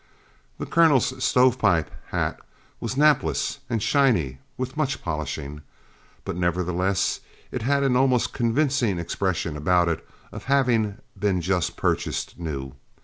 The Colonel's "stovepipe" hat was napless and shiny with much polishing, but nevertheless it had an almost convincing expression about it of having been just purchased new.